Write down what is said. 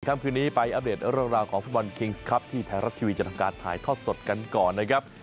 คืนนี้ไปอัปเดตเรื่องราวของฟุตบอลคิงส์ครับที่ไทยรัฐทีวีจะทำการถ่ายทอดสดกันก่อนนะครับ